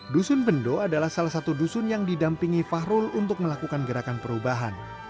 dusun bendo adalah salah satu dusun yang didampingi fahrul untuk melakukan gerakan perubahan